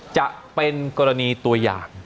จะเป็นกรณีตัวอย่าง